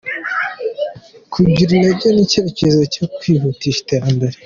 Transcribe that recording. Kugira intego n’icyerekezo cyo kwihutisha iterambere.